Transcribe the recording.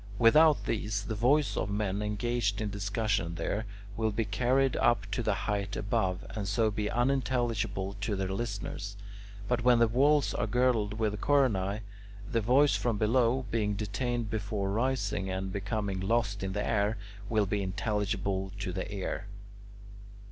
Without these, the voice of men engaged in discussion there will be carried up to the height above, and so be unintelligible to their listeners. But when the walls are girdled with coronae, the voice from below, being detained before rising and becoming lost in the air, will be intelligible to the ear.